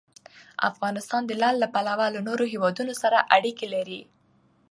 افغانستان د لعل له پلوه له نورو هېوادونو سره اړیکې لري.